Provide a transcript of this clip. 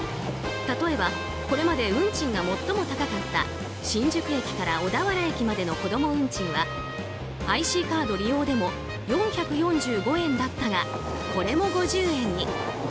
例えば、これまで運賃が最も高かった新宿駅から小田原駅までの子ども運賃はＩＣカード利用でも４４５円だったがこれも５０円に。